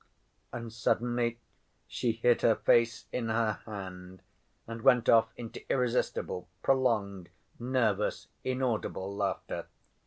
And suddenly she hid her face in her hand and went off into irresistible, prolonged, nervous, inaudible laughter.